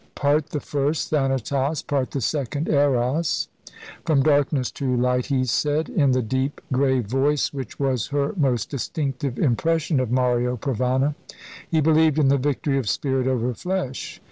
"'Part the first, Thanatos, Part the second, Eros.' From darkness to light," he said, in the deep, grave voice which was her most distinctive impression of Mario Provana. "He believed in the victory of spirit over flesh.